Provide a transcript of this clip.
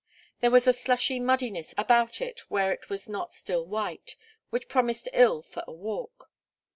There was a slushy muddiness about it where it was not still white, which promised ill for a walk.